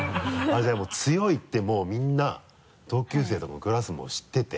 じゃあ強いってもうみんな同級生とかクラスも知ってて。